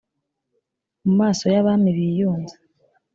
mu maso y abami biyunze